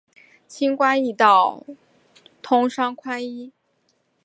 轻关易道，通商宽衣。